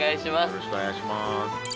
よろしくお願いします。